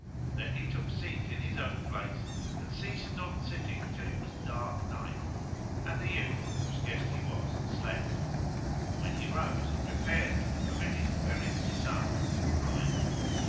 Then he took seat in his own place and ceased not sitting till it was dark night and the youth, whose guest he was slept; when he rose and repaired to the pavilion wherein Sasan was confined.